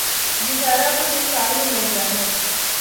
یہ سارا کچھ ایک سال میں ہو گیا ہے۔